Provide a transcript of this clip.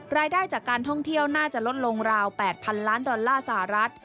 รายได้จากการท่องเที่ยวน่าจะลดลงราว๘๐๐๐ล้านดอลลาร์สหรัฐ